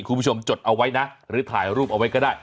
จดเอาไว้นะหรือถ่ายรูปเอาไว้ก็ได้